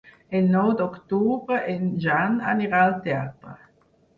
El nou d'octubre en Jan anirà al teatre.